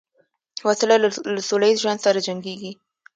وسله له سولهییز ژوند سره جنګیږي